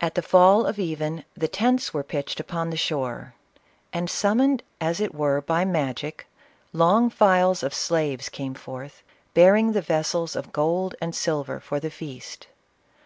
27 the fall of even, the tents were pitched upon the shore, and, summoned as it were by magic, long files of slaves came forth, bearing the vessels of gold and silver fur the feast.